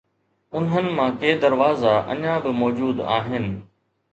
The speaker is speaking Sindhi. انهن مان ڪي دروازا اڃا به موجود آهن